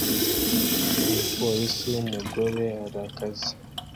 Umupolisi w'umugore arakaze